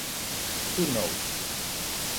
Who knows.